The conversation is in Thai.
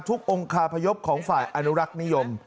องค์คาพยพของฝ่ายอนุรักษ์นิยม